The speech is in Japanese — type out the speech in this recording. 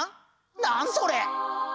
何それ！？